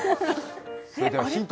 それではヒント